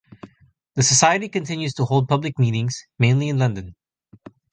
The society continues to hold public meetings, mainly in London.